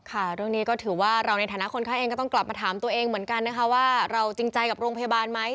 ค่ะเรื่องนี้ก็ถือว่าเราในฐานะคนไข้เองก็ต้องกลับมาถามตัวเองเหมือนกันนะคะว่าเราจริงใจกับโรงพยาบาลไหม